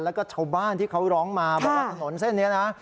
แล้วก็ชาวบ้านที่เขาร้องมาบอกว่าถนนเส้นนี้นะ